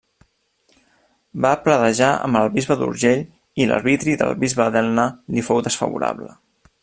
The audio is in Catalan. Va pledejar amb el Bisbe d'Urgell i l'arbitri del Bisbe d'Elna li fou desfavorable.